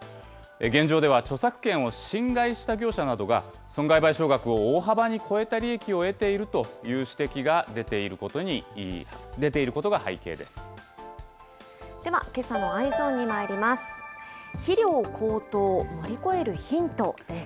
現状では著作権を侵害した業者などが、損害賠償額を大幅に超えた利益を得ているという指摘が出てではけさのＥｙｅｓｏｎにまいります。